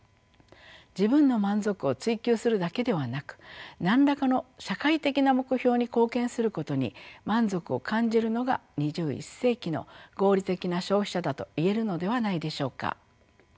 自分の満足を追求するだけではなく何らかの社会的な目標に貢献することに満足を感じるのが２１世紀の合理的な消費者だと言えるのではないでしょうか。